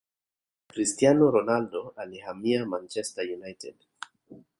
cristiano ronaldo alihamia manchester united